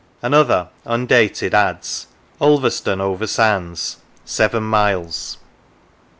Another, undated, adds: " Ulverston over sands: seven miles."